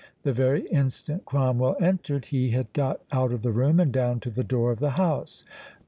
The very instant Cromwell entered he had got out of the room, and down to the door of the house.